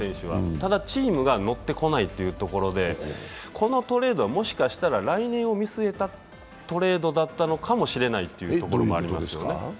ただ、チームが乗ってこないというところでこのトレードはもしかしたら来年を見据えたトレードだったのかもしれないというところもありますね。